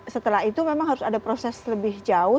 setelah itu memang harus ada proses lebih jauh